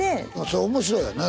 それ面白いわな。